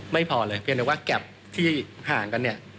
ไม่พอเลยเพียงแต่ว่าแก๊ปที่ห่างกันเนี่ย